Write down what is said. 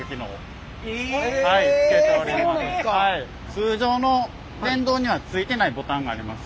通常の電動にはついてないボタンがあります。